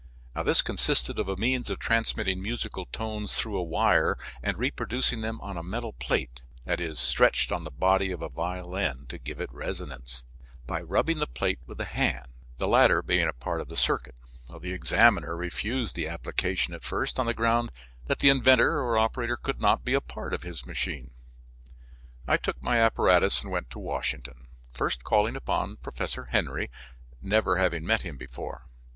This consisted of a means of transmitting musical tones through a wire and reproducing them on a metal plate (stretched on the body of a violin to give it resonance) by rubbing the plate with the hand the latter being a part of the circuit. The examiner refused the application at first on the ground that the inventor or operator could not be a part of his machine. I took my apparatus and went to Washington, first calling upon Professor Henry, never having met him before.